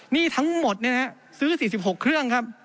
นี่ทั้งหมดเนี้ยนะฮะซื้อสี่สิบหกเครื่องครับ